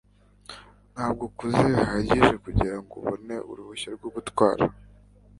Ntabwo ukuze bihagije kugirango ubone uruhushya rwo gutwara.